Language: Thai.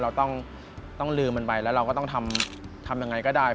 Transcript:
เราต้องลืมมันไปแล้วเราก็ต้องทำยังไงก็ได้